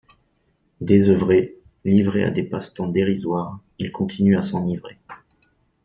Désœuvré, livré à des passe-temps dérisoires, il continue à s'enivrer.